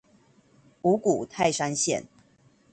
五股泰山線